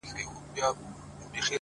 زما لېونی نن بیا نيم مړی دی نیم ژوندی دی